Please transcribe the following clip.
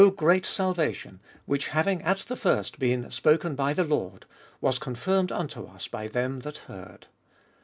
" So great salvation, which having at the first been spoken by the Lord, was confirmed unto us by them that heard."